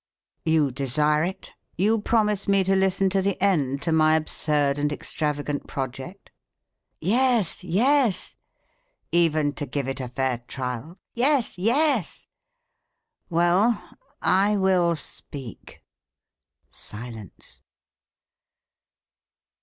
You desire it, you promise me to listen to the end to my absurd and extravagant project? (Yes! yes!) Even to give it a fair trial? (Yes! yes!) Well! I will speak. (_Silence!